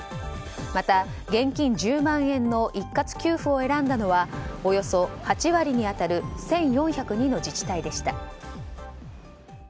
また現金１０万円の一括給付を選んだのはおよそ８割に当たる１４０２の自治体でした。